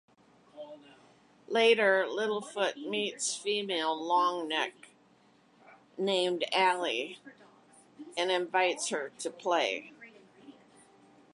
Later, Littlefoot meets a female Longneck named Ali and invites her to play.